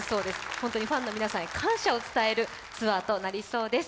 本当にファンの皆さんに感謝を伝えるツアーとなりそうです。